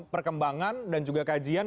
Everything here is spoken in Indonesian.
perkembangan dan juga kajian